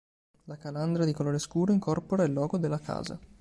La calandra di colore scuro incorpora il logo della casa.